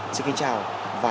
xin kính chào và hẹn gặp lại